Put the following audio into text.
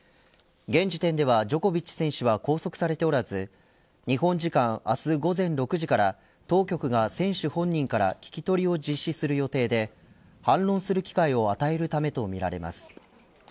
現時点ではジョコビッチ選手は拘束されておらず日本時間、明日午前６時から当局が選手本人から聞き取りを実施する予定で反論する機会を与えるためとみられます。